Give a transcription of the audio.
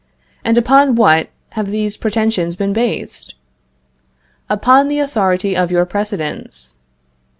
And upon what have these pretensions been based? Upon the authority of your precedents.